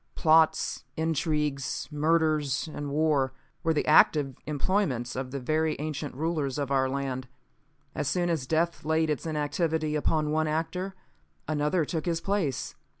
Plots, intrigues, murders and wars, were the active employments of the very ancient rulers of our land. As soon as death laid its inactivity upon one actor, another took his place.